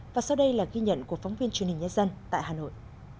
và sau đây là ghi nhận của phóng viên truyền hình nhân dân tại hà nội